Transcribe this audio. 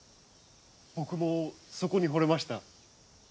僕もそこにほれました。